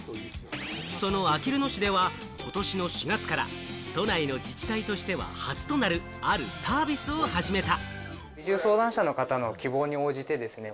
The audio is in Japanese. そのあきる野市ではことしの４月から都内の自治体としては初となる、あるサービスを始めた。